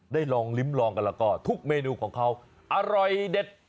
ลองลิ้มลองกันแล้วก็ทุกเมนูของเขาอร่อยเด็ด